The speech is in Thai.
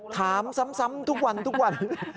ถามซ้ำทุกวัน